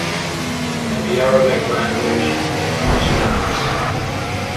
In the Arabic language, it means most generous.